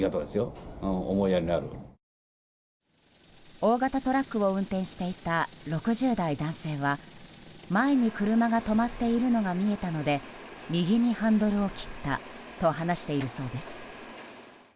大型トラックを運転していた６０代男性は前に車が止まっているのが見えたので右にハンドルを切ったと話しているそうです。